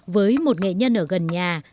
với một nghệ nhân ở gần nhà